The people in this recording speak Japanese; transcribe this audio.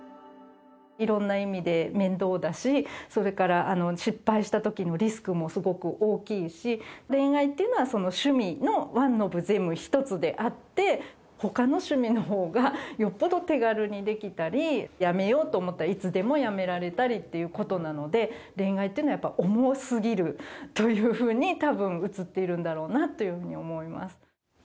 いろんな意味で面倒だし、それから失敗したときのリスクもすごく大きいし、恋愛っていうのは、趣味のワンオブゼム、一つであって、ほかの趣味のほうがよっぽど手軽にできたり、やめようと思ったらいつでもやめられたりっていうことなので、恋愛っていうのはやっぱり重すぎるというふうに、たぶん映っているんだろうなというふうに思います。